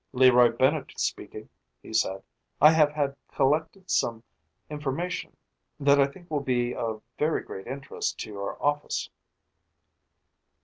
"Leroy Bennett speaking," he said. "I have had collected some information that I think will be of very great interest to your office."